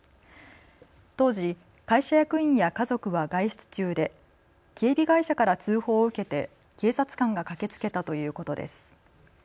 当時、会社役員や家族は外出中で警備会社から通報を受けて警察官が駆けつけたということです。